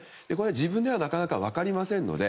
自分ではなかなか分かりませんので。